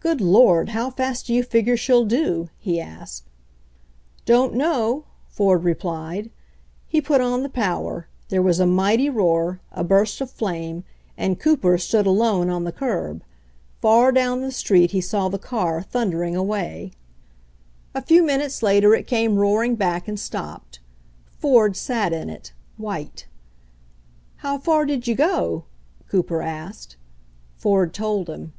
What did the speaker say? "Good Lord, how fast do you figure she'll do?" he asked. "Don't know," Ford replied. He put on the power, there was a mighty roar, a burst of flame, and Cooper stood alone on the curb. Far down the street he saw the car thundering away. RAISING CAPITAL 115 A few minutes later it came roaring back and stopped. Ford sat in it, white. "How far did you go?" Cooper asked. Ford told him.